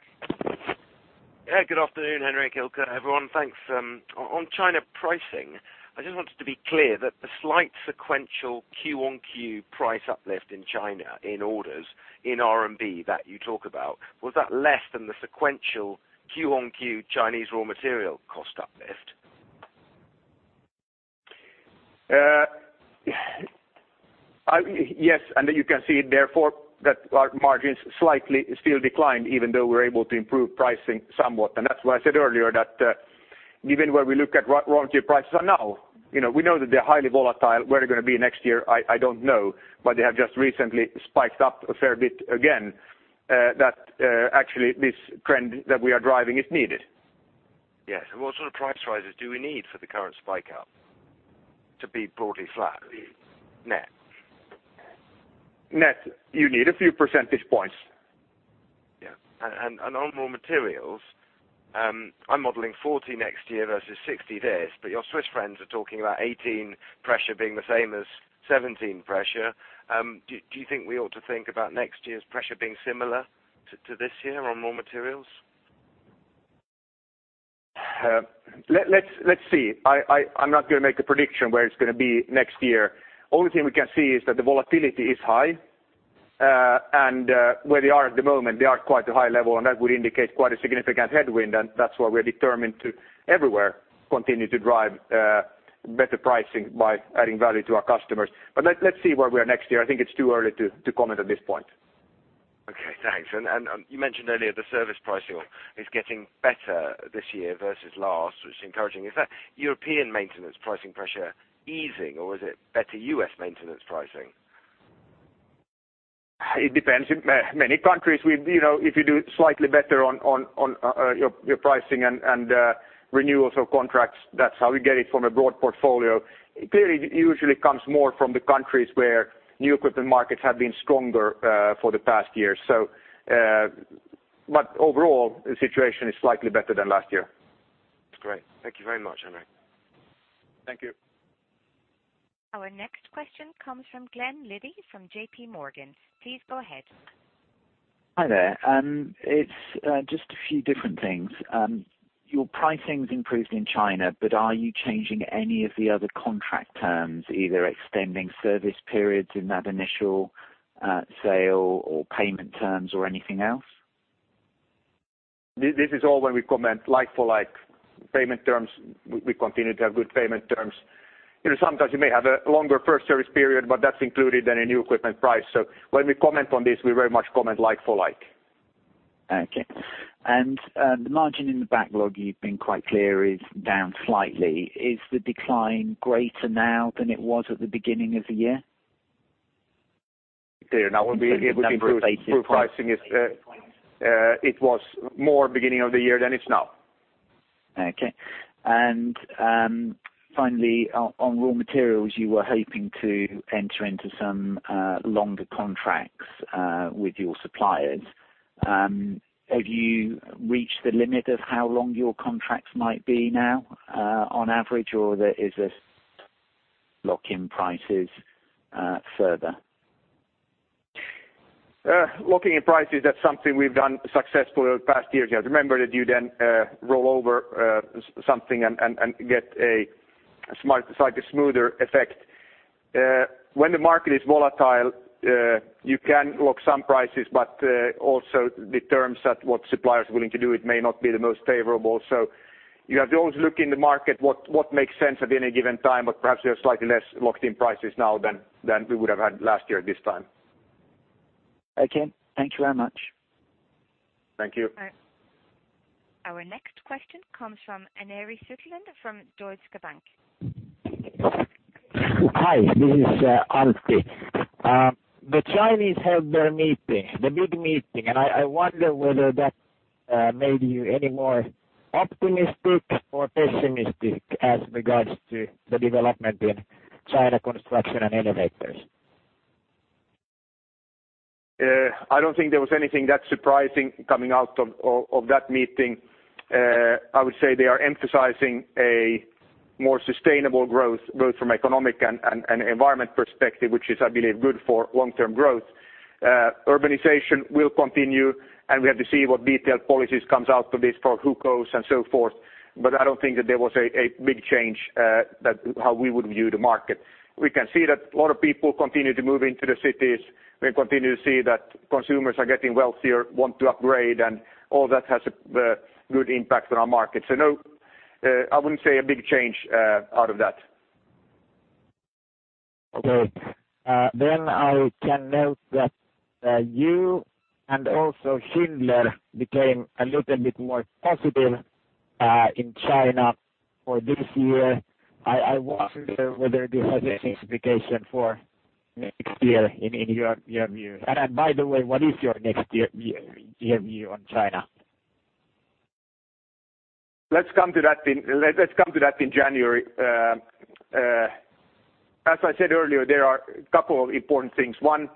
Yeah, good afternoon, Henri, Ilkka, everyone. Thanks. On China pricing, I just wanted to be clear that the slight sequential Q-on-Q price uplift in China in orders in RMB that you talk about, was that less than the sequential Q-on-Q Chinese raw material cost uplift? Yes, you can see it therefore that our margins slightly still declined even though we're able to improve pricing somewhat. That's why I said earlier that even when we look at raw material prices are now. We know that they're highly volatile. Where they're going to be next year, I don't know, but they have just recently spiked up a fair bit again, that actually this trend that we are driving is needed. Yes. What sort of price rises do we need for the current spike up to be broadly flat net? Net, you need a few percentage points. Yeah. On raw materials, I'm modeling 40 next year versus 60 this, your Swiss friends are talking about 2018 pressure being the same as 2017 pressure. Do you think we ought to think about next year's pressure being similar to this year on raw materials? Let's see. I'm not going to make a prediction where it's going to be next year. Only thing we can see is that the volatility is high. Where they are at the moment, they are quite a high level, and that would indicate quite a significant headwind, and that's why we're determined to everywhere continue to drive better pricing by adding value to our customers. Let's see where we are next year. I think it's too early to comment at this point. Okay, thanks. You mentioned earlier the service pricing is getting better this year versus last, which is encouraging. Is that European maintenance pricing pressure easing or is it better U.S. maintenance pricing? It depends. In many countries, if you do slightly better on your pricing and renewals of contracts, that's how we get it from a broad portfolio. Clearly, it usually comes more from the countries where new equipment markets have been stronger for the past year. Overall, the situation is slightly better than last year. Great. Thank you very much, Henri. Thank you. Our next question comes from Glen Liddy from JP Morgan. Please go ahead. Hi there. It's just a few different things. Your pricing's improved in China, are you changing any of the other contract terms, either extending service periods in that initial sale or payment terms or anything else? This is all when we comment like for like. Payment terms, we continue to have good payment terms. Sometimes you may have a longer first service period, that's included in a new equipment price. When we comment on this, we very much comment like for like. Okay. The margin in the backlog, you've been quite clear, is down slightly. Is the decline greater now than it was at the beginning of the year? Clear. Now we'll be able to improve pricing. It was more beginning of the year than it's now. Okay. Finally, on raw materials, you were hoping to enter into some longer contracts with your suppliers. Have you reached the limit of how long your contracts might be now on average, or is this lock in prices further? Locking in prices, that's something we've done successfully over the past years. Remember that you then roll over something and get a slightly smoother effect. When the market is volatile you can lock some prices, but also the terms at what supplier is willing to do it may not be the most favorable. You have to always look in the market what makes sense at any given time, but perhaps we have slightly less locked in prices now than we would have had last year at this time. Okay. Thank you very much. Thank you. Our next question comes from [Aneri Sutlond] from Deutsche Bank. Hi, this is [Antti]. The Chinese held their meeting, the big meeting, and I wonder whether that made you any more optimistic or pessimistic as regards to the development in China construction and elevators. I don't think there was anything that surprising coming out of that meeting. I would say they are emphasizing a more sustainable growth, both from economic and environment perspective, which is, I believe, good for long-term growth. Urbanization will continue, and we have to see what detailed policies comes out of this for who goes and so forth. I don't think that there was a big change how we would view the market. We can see that a lot of people continue to move into the cities. We continue to see that consumers are getting wealthier, want to upgrade, and all that has a good impact on our market. No, I wouldn't say a big change out of that. Okay. I can note that you and also Schindler became a little bit more positive in China for this year. I wonder whether this has any significance for next year in your view. By the way, what is your next year view on China? Let's come to that in January. As I said earlier, there are a couple of important things. One,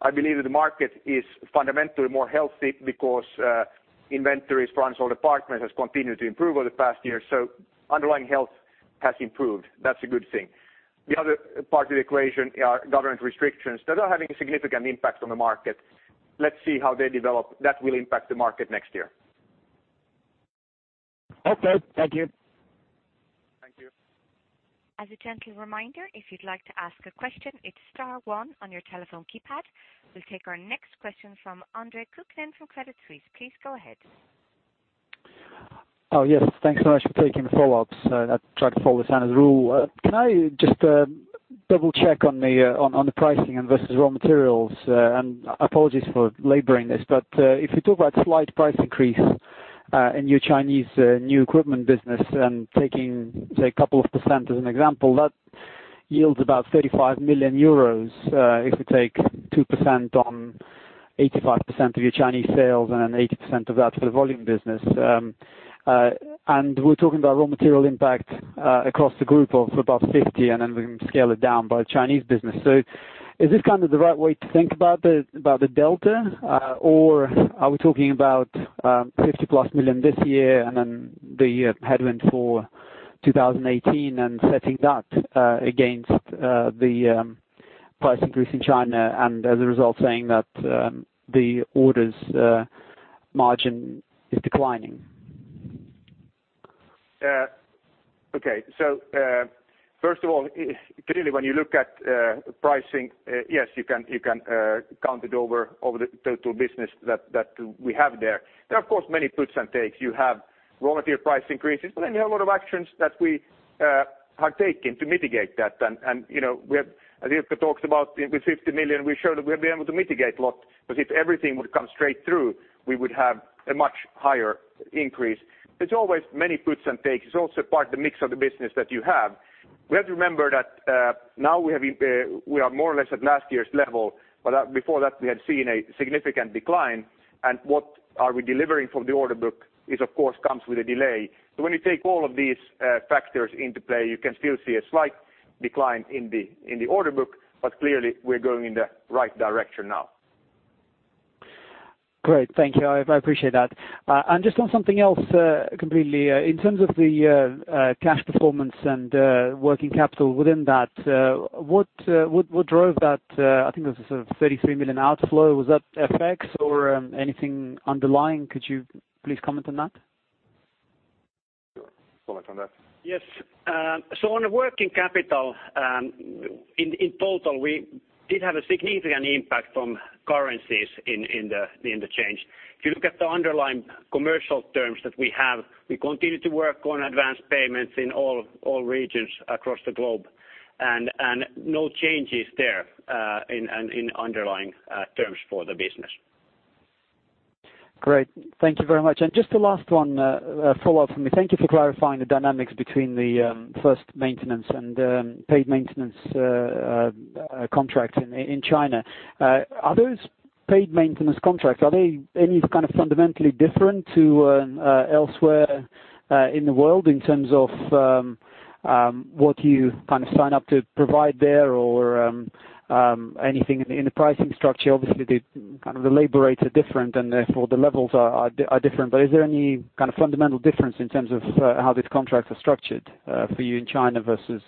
I believe that the market is fundamentally more healthy because inventories for our department has continued to improve over the past year, so underlying health has improved. That's a good thing. The other part of the equation are government restrictions that are having a significant impact on the market. Let's see how they develop. That will impact the market next year. Okay. Thank you. Thank you. As a gentle reminder, if you would like to ask a question, it is star one on your telephone keypad. We will take our next question from Andre Kukhnin from Credit Suisse. Please go ahead. Yes. Thanks so much for taking the follow-ups. I try to follow Sanna's rule. Can I just double-check on the pricing versus raw materials? Apologies for laboring this, but if you talk about slight price increase in your Chinese new equipment business and taking, say, couple of percent as an example, that yields about 35 million euros. If you take 2% on 85% of your Chinese sales and then 80% of that to the volume business. We are talking about raw material impact across the group of above 50 million, and then we can scale it down by Chinese business. Is this kind of the right way to think about the delta? Are we talking about 50 million plus this year and then the headwind for 2018 and setting that against the price increase in China and as a result saying that the orders margin is declining? Okay. First of all, clearly, when you look at pricing, yes, you can count it over the total business that we have there. There are of course many puts and takes. You have raw material price increases, but then you have a lot of actions that we have taken to mitigate that. As Ilkka Hara talks about with 50 million, we showed that we have been able to mitigate a lot because if everything would come straight through, we would have a much higher increase. There is always many puts and takes. It is also part of the mix of the business that you have. We have to remember that now we are more or less at last year's level, but before that, we had seen a significant decline. What are we delivering from the order book is of course comes with a delay. When you take all of these factors into play, you can still see a slight decline in the order book, but clearly we are going in the right direction now. Great. Thank you. I appreciate that. Just on something else completely. In terms of the cash performance and working capital within that, what drove that, I think it was a sort of 33 million outflow, was that FX or anything underlying? Could you please comment on that? Comment on that. Yes. On the working capital, in total we did have a significant impact from currencies in the change. If you look at the underlying commercial terms that we have, we continue to work on advanced payments in all regions across the globe, no changes there in underlying terms for the business. Great. Thank you very much. Just a last one follow-up for me. Thank you for clarifying the dynamics between the first maintenance and paid maintenance contract in China. Are those paid maintenance contracts, are they any kind of fundamentally different to elsewhere in the world in terms of what you kind of sign up to provide there or anything in the pricing structure? Obviously, the labor rates are different and therefore the levels are different, but is there any kind of fundamental difference in terms of how these contracts are structured for you in China versus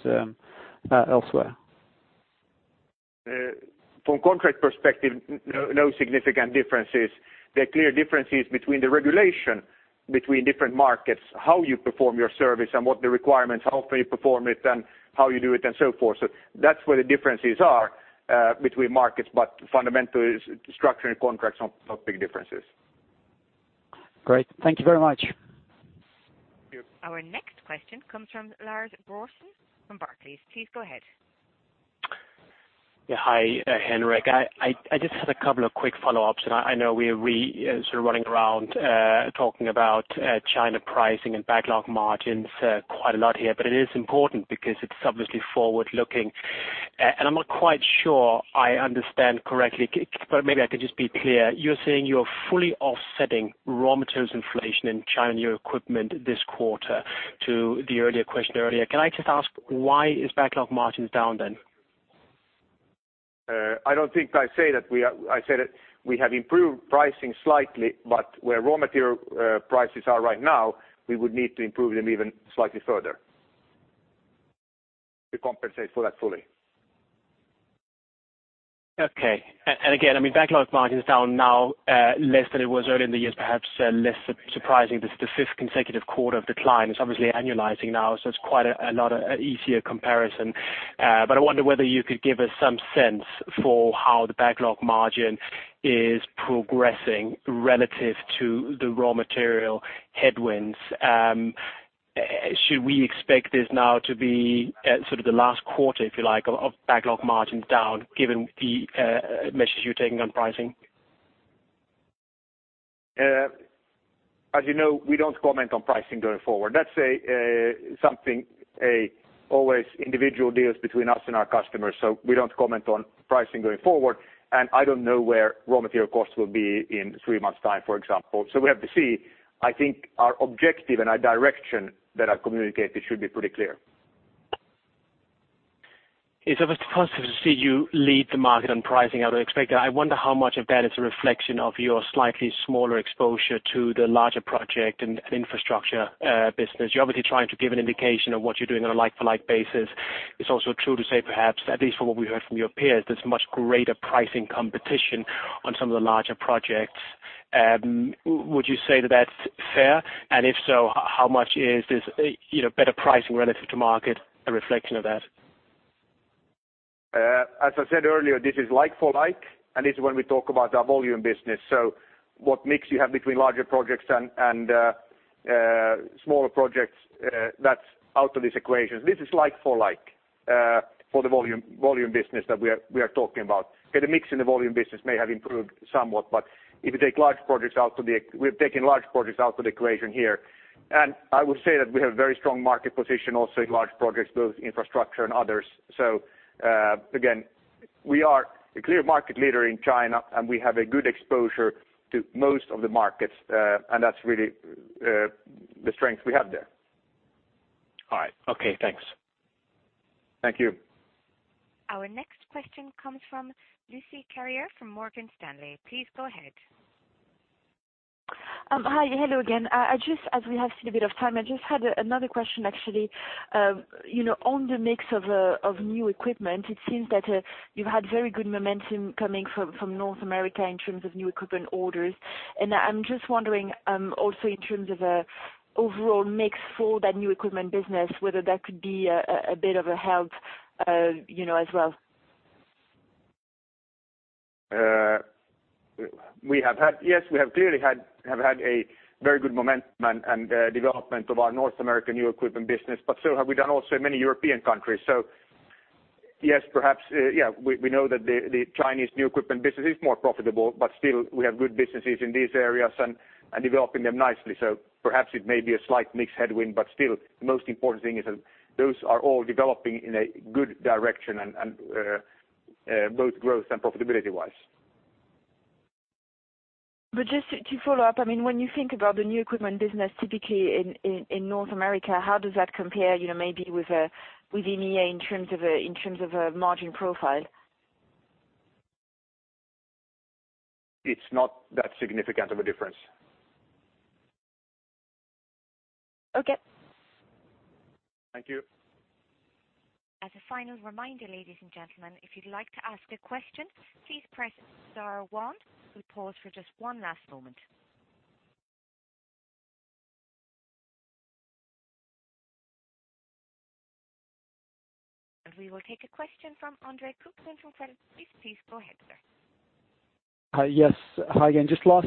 elsewhere? From contract perspective, no significant differences. There are clear differences between the regulation between different markets, how you perform your service and what the requirements, how often you perform it and how you do it and so forth. That's where the differences are between markets. Fundamentally structuring contracts, no big differences. Great. Thank you very much. Thank you. Our next question comes from Lars Brorson from Barclays. Please go ahead. Yeah. Hi, Henrik. I just had a couple of quick follow-ups. I know we are really sort of running around talking about China pricing and backlog margins quite a lot here, but it is important because it's obviously forward-looking. I'm not quite sure I understand correctly, but maybe I could just be clear. You're saying you're fully offsetting raw materials inflation in China in your equipment this quarter to the earlier question earlier. Can I just ask why is backlog margins down then? I don't think that I said that. I said that we have improved pricing slightly, but where raw material prices are right now, we would need to improve them even slightly further to compensate for that fully. Okay. Again, I mean, backlog margin is down now less than it was early in the years, perhaps less surprising. This is the fifth consecutive quarter of decline. It's obviously annualizing now. It's quite an easier comparison. I wonder whether you could give us some sense for how the backlog margin is progressing relative to the raw material headwinds. Should we expect this now to be sort of the last quarter, if you like, of backlog margins down given the measures you're taking on pricing? As you know, we don't comment on pricing going forward. That's something always individual deals between us and our customers, so we don't comment on pricing going forward. I don't know where raw material costs will be in three months' time, for example. We have to see. I think our objective and our direction that I've communicated should be pretty clear. It's obviously positive to see you lead the market on pricing. I would expect that. I wonder how much of that is a reflection of your slightly smaller exposure to the larger project and infrastructure business. You're obviously trying to give an indication of what you're doing on a like-for-like basis. It's also true to say perhaps, at least from what we heard from your peers, there's much greater pricing competition on some of the larger projects. Would you say that that's fair? If so, how much is this better pricing relative to market a reflection of that? As I said earlier, this is like for like, it's when we talk about our volume business. What mix you have between larger projects and smaller projects, that's out of this equation. This is like for like for the volume business that we are talking about. Okay, the mix in the volume business may have improved somewhat. We've taken large projects out of the equation here. I would say that we have a very strong market position also in large projects, both infrastructure and others. Again, we are a clear market leader in China, and we have a good exposure to most of the markets, and that's really the strength we have there. All right. Okay, thanks. Thank you. Our next question comes from Lucie Carrier from Morgan Stanley. Please go ahead. Hi. Hello again. As we have a bit of time, I just had another question, actually. On the mix of new equipment, it seems that you've had very good momentum coming from North America in terms of new equipment orders. I'm just wondering also in terms of overall mix for that new equipment business, whether that could be a bit of a help as well. Yes, we have clearly have had a very good momentum and development of our North American new equipment business. So have we done also in many European countries. Yes, perhaps we know that the Chinese new equipment business is more profitable, still, we have good businesses in these areas and are developing them nicely. Perhaps it may be a slight mix headwind, still, the most important thing is that those are all developing in a good direction both growth and profitability wise. Just to follow up, when you think about the new equipment business typically in North America, how does that compare maybe with EMEA in terms of a margin profile? It's not that significant of a difference. Okay. Thank you. As a final reminder, ladies and gentlemen, if you'd like to ask a question, please press star one. We pause for just one last moment. We will take a question from Andre Kukhnin from Credit Suisse. Please go ahead, sir. Hi, yes. Hi again. Just last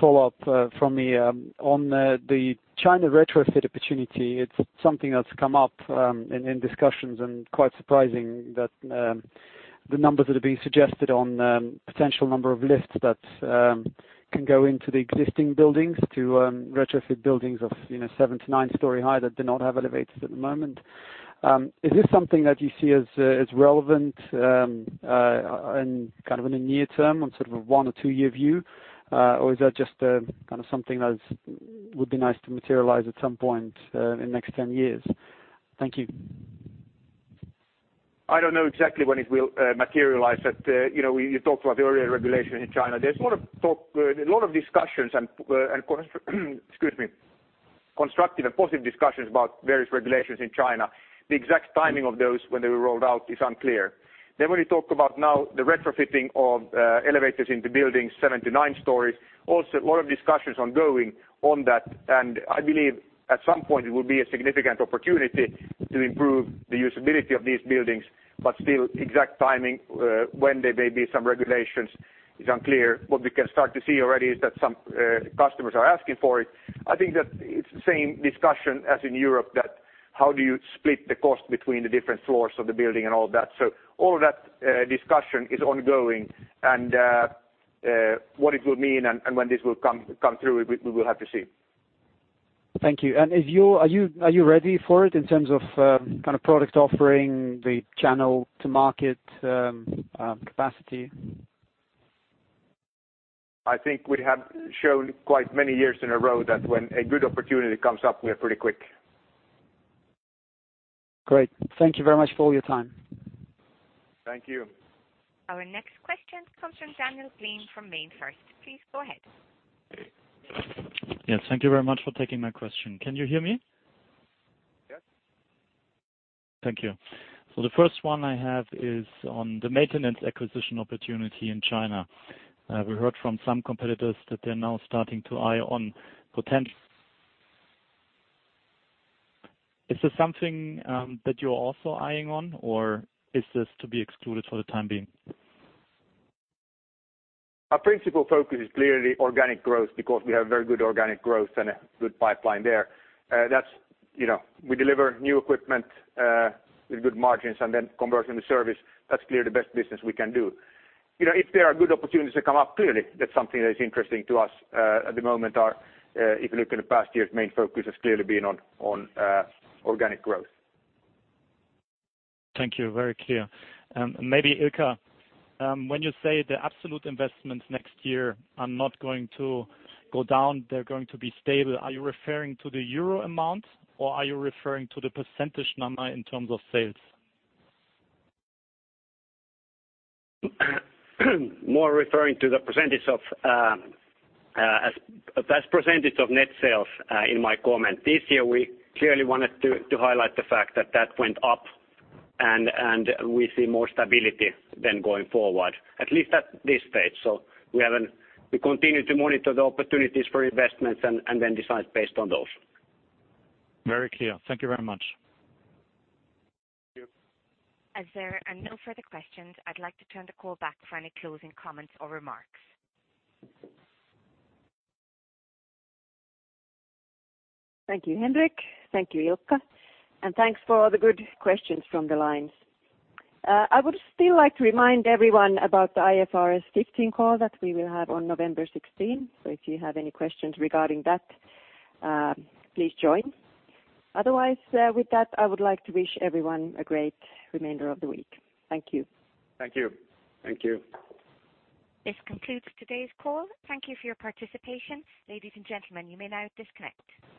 follow-up from me on the China retrofit opportunity. It's something that's come up in discussions and quite surprising that the numbers that are being suggested on potential number of lifts that can go into the existing buildings to retrofit buildings of seven to nine-story high that do not have elevators at the moment. Is this something that you see as relevant in kind of a near term on sort of a one or two-year view? Or is that just kind of something that would be nice to materialize at some point in the next 10 years? Thank you. I don't know exactly when it will materialize. You talked about the earlier regulation in China. There's a lot of talk, a lot of discussions and constructive and positive discussions about various regulations in China. The exact timing of those when they were rolled out is unclear. When you talk about now the retrofitting of elevators into buildings seven to nine stories, also a lot of discussions ongoing on that. I believe at some point it will be a significant opportunity to improve the usability of these buildings. Still, exact timing when there may be some regulations is unclear. What we can start to see already is that some customers are asking for it. I think that it's the same discussion as in Europe that How do you split the cost between the different floors of the building and all that? All of that discussion is ongoing and what it will mean and when this will come through, we will have to see. Thank you. Are you ready for it in terms of product offering, the channel to market capacity? I think we have shown quite many years in a row that when a good opportunity comes up, we are pretty quick. Great. Thank you very much for all your time. Thank you. Our next question comes from Daniel Gleim from MainFirst. Please go ahead. Yes. Thank you very much for taking my question. Can you hear me? Yes. Thank you. The first one I have is on the maintenance acquisition opportunity in China. We heard from some competitors that they're now starting to eye on potential. Is this something that you're also eyeing on or is this to be excluded for the time being? Our principal focus is clearly organic growth because we have very good organic growth and a good pipeline there. We deliver new equipment with good margins and then convert into service. That's clearly the best business we can do. If there are good opportunities that come up, clearly that's something that is interesting to us. At the moment, if you look in the past years, main focus has clearly been on organic growth. Thank you. Very clear. Maybe Ilkka, when you say the absolute investments next year are not going to go down, they're going to be stable. Are you referring to the euro amount or are you referring to the percentage number in terms of sales? More referring to the percentage of net sales in my comment. This year, we clearly wanted to highlight the fact that that went up, and we see more stability than going forward, at least at this stage. We continue to monitor the opportunities for investments and then decide based on those. Very clear. Thank you very much. Thank you. As there are no further questions, I'd like to turn the call back for any closing comments or remarks. Thank you, Henrik. Thank you, Ilkka, and thanks for all the good questions from the lines. I would still like to remind everyone about the IFRS 15 call that we will have on November 16. If you have any questions regarding that, please join. Otherwise, with that, I would like to wish everyone a great remainder of the week. Thank you. Thank you. Thank you. This concludes today's call. Thank you for your participation. Ladies and gentlemen, you may now disconnect.